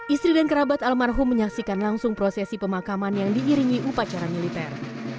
istri dan kerabat almarhum menyaksikan langsung prosesi pemakaman yang diiringi upacara militer